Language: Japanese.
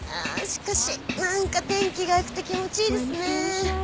しかし何か天気がよくて気持ちいいですね。